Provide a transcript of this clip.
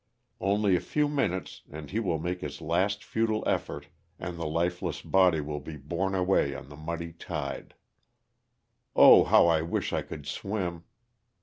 Only a few minutes and he will make his last futile effort and the lifeless body will be borne away on the muddy tide. Oh, how I wish I could swim